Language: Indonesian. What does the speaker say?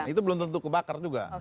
itu belum tentu kebakar juga